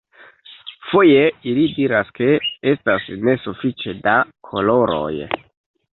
Foje, ili diras ke estas nesufiĉe da koloroj.